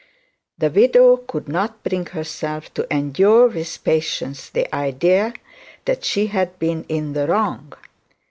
The widow could not bring herself to endure with patience the idea that she had been in the wrong.